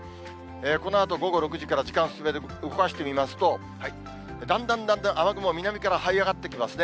このあと午後６時から動かしてみますと、だんだんだんだん雨雲、南からはい上がってきますね。